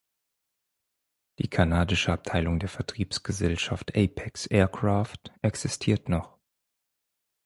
Die kanadische Abteilung der Vertriebsgesellschaft Apex Aircraft existiert noch.